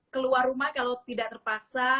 keluar rumah kalau tidak terpaksa